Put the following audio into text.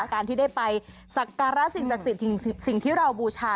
การที่ได้ไปสักการะสิ่งศักดิ์สิทธิ์สิ่งที่เราบูชา